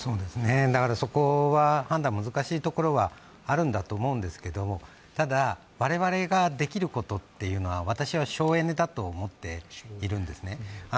そこは判断、難しいところはあるんだと思うんですけど、ただ、我々ができることっていうのは、私は省エネだと思っているんですね。